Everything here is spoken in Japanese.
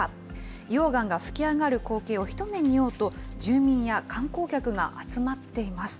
溶岩が噴き上がる光景を一目見ようと、住民や観光客が集まっています。